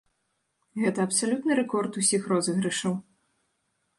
Гэта абсалютны рэкорд усіх розыгрышаў.